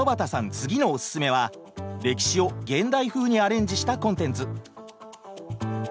次のおススメは歴史を現代風にアレンジしたコンテンツ。